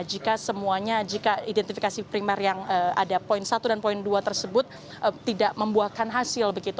jika identifikasi primer yang ada poin satu dan poin dua tersebut tidak membuahkan hasil